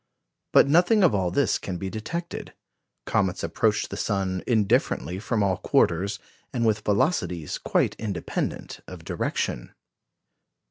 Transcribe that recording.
But nothing of all this can be detected. Comets approach the sun indifferently from all quarters, and with velocities quite independent of direction.